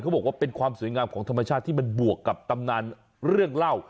บอกว่าเป็นความสวยงามของธรรมชาติที่มันบวกกับตำนานเรื่องเล่า